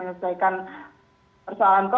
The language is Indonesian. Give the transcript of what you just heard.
apalagi masih ada kepentingan pemerintah untuk gitu